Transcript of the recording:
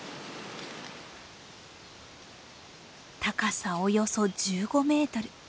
高さおよそ１５メートル。